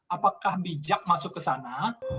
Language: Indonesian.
apakah bijak masuk ke sana